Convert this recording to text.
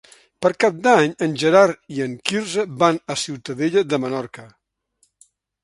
Per Cap d'Any en Gerard i en Quirze van a Ciutadella de Menorca.